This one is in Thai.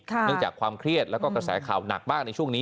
เนื่องจากความเครียดแล้วก็กระแสข่าวหนักมากในช่วงนี้